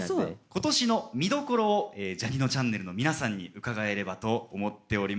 今年の見どころをジャにのちゃんねるの皆さんに伺えればと思っております。